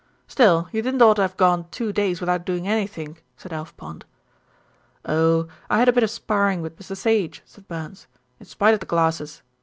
"Still, you didn't oughter have gone two days without doing anythink," said Alf Pond. "Oh! I had a bit of sparring with Mr. Sage," said Burns, "in spite of the glasses.